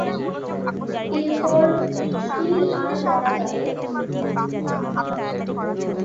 এরপর কি আর করা যাবে?